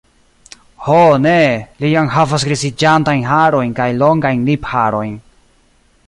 Ho ne, li jam havas griziĝantajn harojn kaj longajn lipharojn.